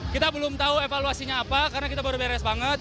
kita belum tahu evaluasinya apa karena kita baru beres banget